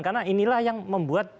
karena inilah yang membuat mencari